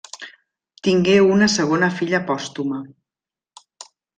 Tingué una segona filla pòstuma.